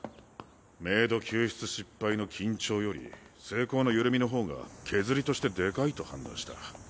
メイド救出失敗の緊張より成功の緩みの方が削りとしてでかいと判断した。